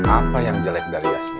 apa yang jelek dari aspi